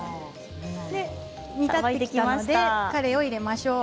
煮たってきたのでカレイを入れましょう。